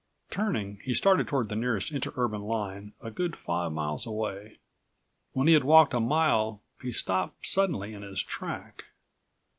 Turning, he started toward the nearest interurban line a good five miles away. When he had walked a mile, he stopped suddenly in his track.